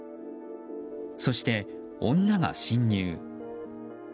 そして女が侵入。